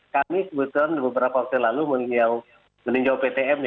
kami kebetulan beberapa waktu lalu meninjau ptm